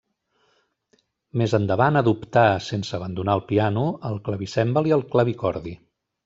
Més endavant adoptà, sense abandonar el piano, el clavicèmbal i el clavicordi.